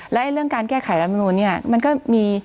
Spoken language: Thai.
แล้วเรื่องการแก้ไขรัฐมนุนเนี่ยมันก็มี